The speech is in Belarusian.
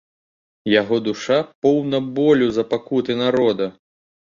Яго душа поўна болю за пакуты народа.